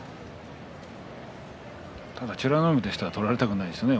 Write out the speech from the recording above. ただ美ノ海としては取られたくないですね。